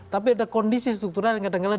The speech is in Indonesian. tapi ada kondisi struktural yang kadang kadang